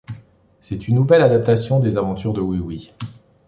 C'est une nouvelle adaptation des aventures de Oui-Oui.